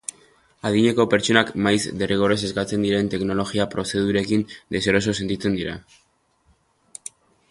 Adineko pertsonak maiz derrigorrez eskatzen diren teknologia prozedurekin deseroso sentitzen dira.